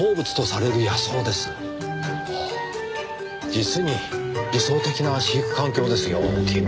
実に理想的な飼育環境ですよ君。